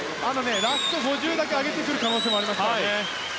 ラスト５０だけ上げてくる可能性があります。